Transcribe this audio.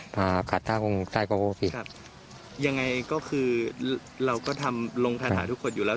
ยังไงก็คือเราก็ทำลงทะทะทุกคนอยู่แล้ว